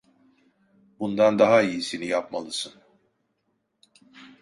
Bundan daha iyisini yapmalısın.